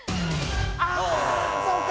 あそうか